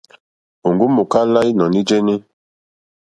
Òŋɡó mòkálá ínɔ̀ní jéní.